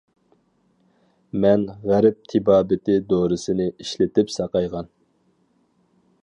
مەن غەرب تېبابىتى دورىسىنى ئىشلىتىپ ساقايغان.